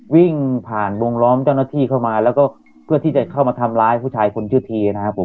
วิ่งผ่านวงล้อมเจ้าหน้าที่เข้ามาแล้วก็เพื่อที่จะเข้ามาทำร้ายผู้ชายคนชื่อทีนะครับผม